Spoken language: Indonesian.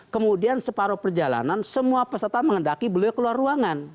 kemudian separuh perjalanan semua peserta mengendaki beliau keluar ruangan